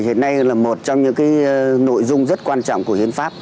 hiện nay là một trong những nội dung rất quan trọng của hiến pháp